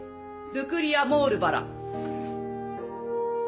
ルクリア・モールバラ！